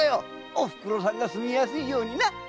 お袋さんが住みやすいようにな！